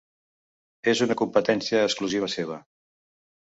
És una competència exclusiva seva.